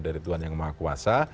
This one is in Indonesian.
dari tuhan yang maha kuasa